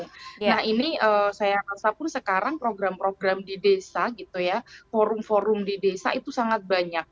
nah ini saya rasa pun sekarang program program di desa gitu ya forum forum di desa itu sangat banyak